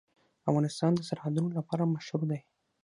افغانستان د سرحدونه لپاره مشهور دی.